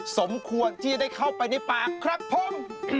สมควรที่ได้เข้าไปในปากครับผม